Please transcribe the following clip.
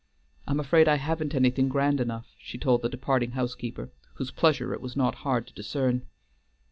"I'm afraid I haven't anything grand enough," she told the departing housekeeper, whose pleasure it was not hard to discern.